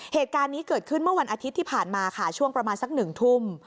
เหตุการณ์นี้เกิดขึ้นเมื่อวันอาทิตย์ที่ผ่านมาค่ะช่วงประมาณสักหนึ่งทุ่ม